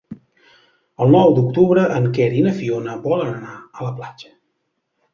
El nou d'octubre en Quer i na Fiona volen anar a la platja.